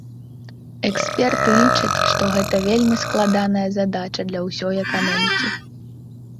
Эксперты лічаць, што гэта вельмі складаная задача для ўсёй эканомікі.